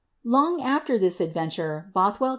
Long afier this adventure, Bolhwel!